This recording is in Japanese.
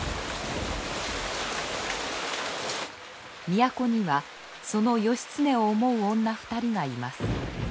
都にはその義経を思う女２人がいます。